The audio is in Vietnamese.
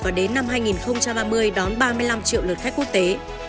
và đến năm hai nghìn ba mươi đón ba mươi năm triệu lượt khách quốc tế